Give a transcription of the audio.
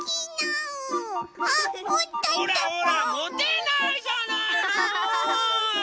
ほらほらもてないじゃないの。